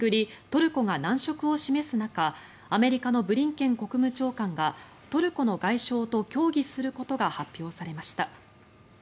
トルコが難色を示す中アメリカのブリンケン国務長官がトルコの外相と協議することが発表されました。